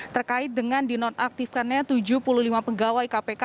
terkait dengan dinonaktifkannya tujuh puluh lima pegawai kpk